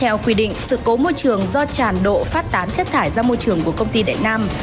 theo quy định sự cố môi trường do tràn độ phát tán chất thải ra môi trường của công ty đại nam